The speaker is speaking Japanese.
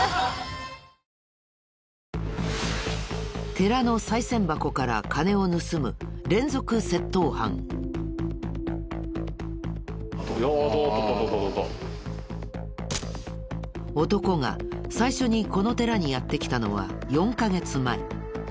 寺のさい銭箱から金を盗む男が最初にこの寺にやって来たのは４カ月前。